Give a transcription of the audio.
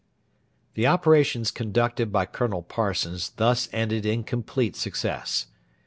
The operations conducted by Colonel Parsons thus ended in complete success.